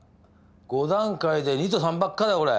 ５段階で２と３ばっかだこれ。